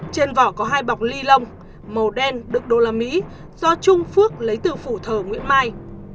trên vỏ có hai bọc ly lông màu đen đựng đô la mỹ do trung phước lấy từ phủ thờ nguyễn mai